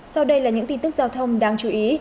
sau đây là những tin tức giao thông đáng chú ý